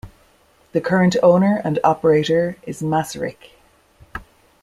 The current owner and operator is Macerich.